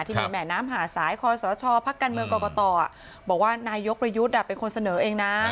ที่มีแหมน้ำหาสายคสชพกกตบอกว่านายกประยุทธ์เป็นคนเสนอเองนะ